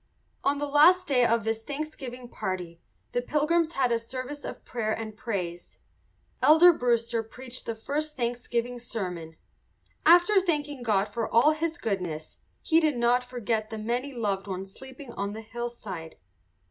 On the last day of this Thanksgiving party the Pilgrims had a service of prayer and praise. Elder Brewster preached the first Thanksgiving sermon. After thanking God for all his goodness, he did not forget the many loved ones sleeping on the hillside.